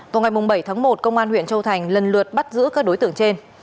vào ngày bảy tháng một công an huyện châu thành lần lượt bắt giữ các đối tượng trên